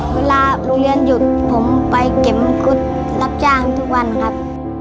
เวลาโรงเรียนหยุดผมไปเก็บมังกุดรับจ้างทุกวันครับ